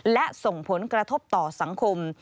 และส่งผลกระทบต่อสังคม